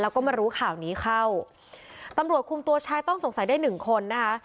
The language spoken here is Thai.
แล้วก็มารู้ข่าวนี้เข้าตำรวจคุมตัวชายต้องสงสัยได้หนึ่งคนนะคะ